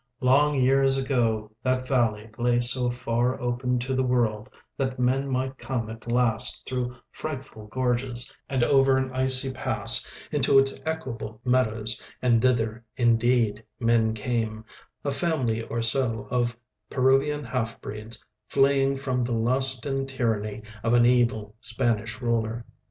Long years ago that valley lay so far open to the world that men might come at last through frightful gorges and over an icy pass into its equable meadows, and thither indeed men came, a family or so of Peruvian half breeds fleeing from the lust and tyranny of an evil Spanish ruler.